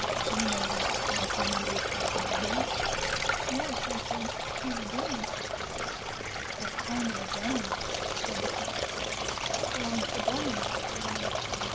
you know what countryman 'e carpenter be?" "Yes," said I; "he's a German." "What kind of a German?" said the cook. "He belongs to Bremen," said I.